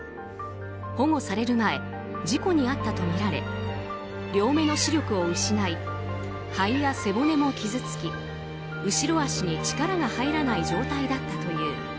保護される前事故に遭ったとみられ両目の視力を失い肺や背骨も傷つき後ろ足に力が入らない状態だったという。